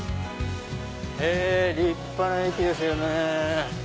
立派な駅ですよね。